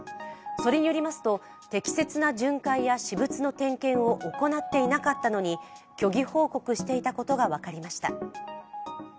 それによりますと、適切な巡回や私物の点検を行っていなかったのに虚偽報告していたことが分かりました。